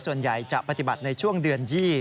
ส่วนใหญ่จะปฏิบัติในช่วงเดือน๒๐